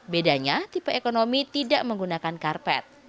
bedanya tipe ekonomi tidak menggunakan karpet